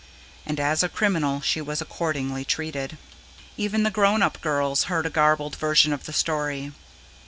And as a criminal she was accordingly treated. Even the grown up girls heard a garbled version of the story.